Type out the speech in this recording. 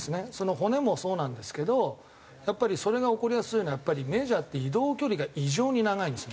骨もそうなんですけどやっぱりそれが起こりやすいのはメジャーって移動距離が異常に長いんですね。